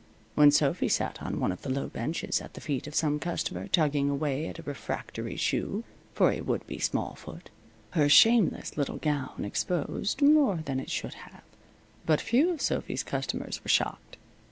When Sophy sat on one of the low benches at the feet of some customer, tugging away at a refractory shoe for a would be small foot, her shameless little gown exposed more than it should have. But few of Sophy's customers were shocked.